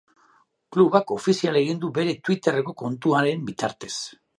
Klubak ofizial egin du bere twitterreko kontuaren bitartez.